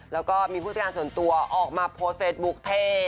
แล้วก็มีผู้จัดการส่วนตัวออกมาโพสต์เฟซบุ๊คเท่